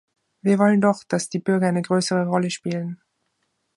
Wir wollen doch, dass die Bürger eine größere Rolle spielen.